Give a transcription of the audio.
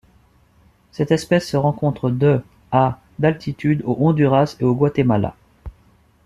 Cette espèce se rencontre de à d'altitude au Honduras et au Guatemala.